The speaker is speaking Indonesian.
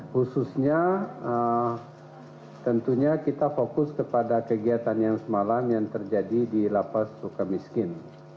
khususnya tentunya kita fokus kepada kegiatan yang semalam yang terjadi di lapas suka miskin